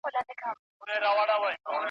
په لږ وخت کي یې پر ټو له کور لاس تېر کړ !.